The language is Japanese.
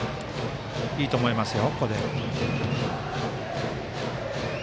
いいと思いますよ。